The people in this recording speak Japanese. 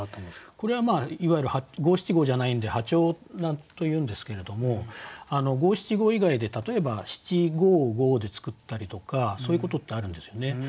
これはいわゆる五七五じゃないんで破調というんですけれども五七五以外で例えば七五五で作ったりとかそういうことってあるんですよね。